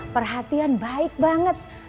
perhatian baik banget